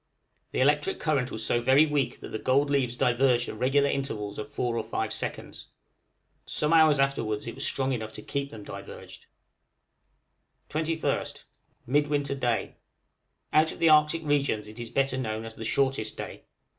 The electric current was so very weak that the gold leaves diverged at regular intervals of four or five seconds. Some hours afterwards it was strong enough to keep them diverged. 21st. Midwinter day. Out of the Arctic regions it is better known as the shortest day.